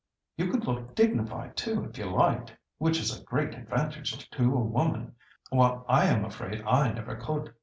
You could look dignified too, if you liked, which is a great advantage to a woman, while I am afraid I never could.